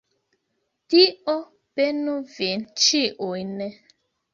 Dio benu vin ĉiujn.